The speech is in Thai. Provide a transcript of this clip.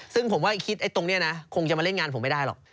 ซึ่งผมว่าคิดไอ้ตรงนี้นะคงจะมาเล่นงานผมไม่ได้หรอก